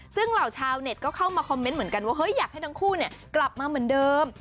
ซึ่งเหล่าชาวเน็ตก็เข้ามาคอมเมนต์เหมือนกันว่าเฮ้ยอยากให้ทั้งคู่กลับมาเหมือนเดิม